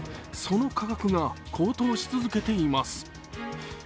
その価格が高騰し続けています。